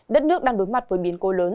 đất nước đang đối mặt với biến cố lớn